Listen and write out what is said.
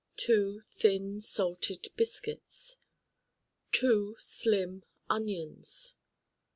two Thin Salted Biscuits. two Slim Onions.